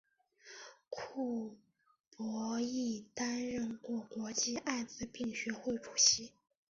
库珀亦担任过国际艾滋病学会主席。